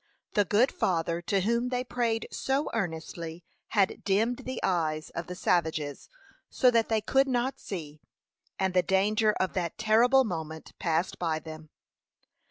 The good Father to whom they prayed so earnestly had dimmed the eyes of the savages so that they could not see, and the danger of that terrible moment passed by them.